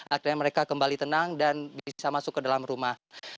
akhirnya mereka kembali tenang dan bisa masuk ke dalam rumah